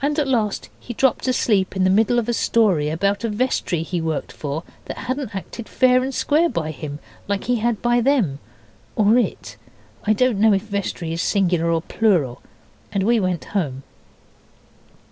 At last he dropped asleep in the middle of a story about a vestry he worked for that hadn't acted fair and square by him like he had by them, or it (I don't know if vestry is singular or plural), and we went home.